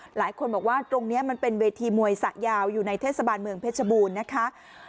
หลายคนบอกว่าตรงนี้มันเป็นเวทีมวยสะยาวอยู่ในเทศบาลเมืองเพชรบูรณ์นะคะ